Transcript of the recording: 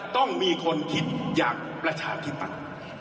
ต้องมีคนคิดอย่างประชาธิปัตย์